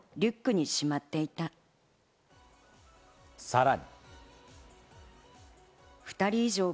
さらに。